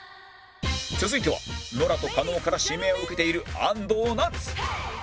続いてはノラと加納から指名を受けている安藤なつ